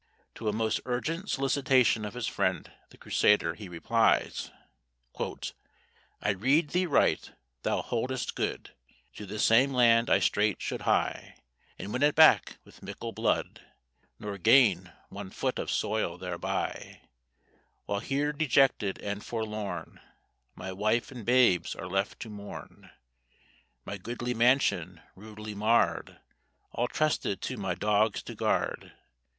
To a most urgent solicitation of his friend the Crusader, he replies: "I read thee right, thou holdest good To this same land I straight should hie, And win it back with mickle blood, Nor gaine one foot of soil thereby; While here dejected and forlorn My wife and babes are left to mourn; My goodly mansion rudely marred, All trusted to my dogs to guard.